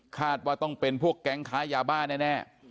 คาดว่าต้องเป็นพวกแก๊งค้ายาบ้าแน่